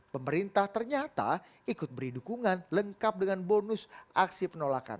pemerintah ternyata ikut beri dukungan lengkap dengan bonus aksi penolakan